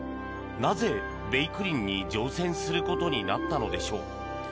なぜ「べいくりん」に乗船することになったのでしょう。